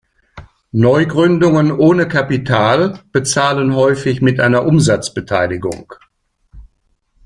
Neugründungen ohne Kapital bezahlen häufig mit einer Umsatzbeteiligung.